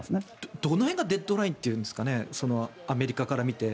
どの辺がデッドラインというかアメリカから見て。